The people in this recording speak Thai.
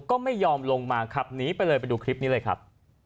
ก็ไม่ยอมลงมาขับหนีไปเลยไปดูคลิปนี้เลยครับ